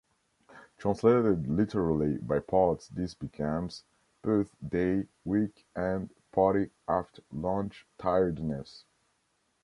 Translated literally by parts this becomes "birth day week end party after lunch tiredness".